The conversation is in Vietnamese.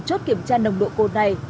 chốt kiểm tra nồng độ cồn này